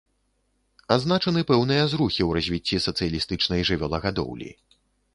Адзначаны пэўныя зрухі ў развіцці сацыялістычнай жывёлагадоўлі.